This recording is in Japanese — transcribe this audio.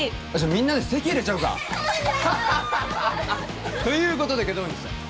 みんなで籍入れちゃうかということで祁答院さん